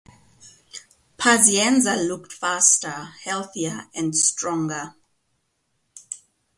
Pazienza looked faster, healthier and stronger.